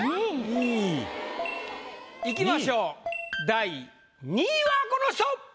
いきましょう第２位はこの人！